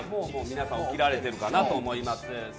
皆さん起きられてると思います。